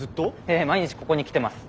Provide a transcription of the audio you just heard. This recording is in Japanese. ええ毎日ここに来てます。